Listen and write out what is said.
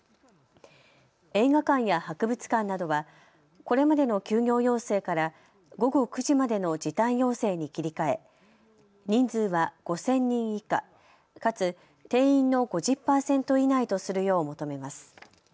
映画館や博物館などはこれまでの休業要請から午後９時までの時短要請に切り替え、人数は５０００人以下、かつ定員の５０％以内とするよう求めます。